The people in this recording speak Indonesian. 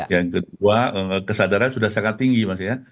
yang kedua kesadaran sudah sangat tinggi maksudnya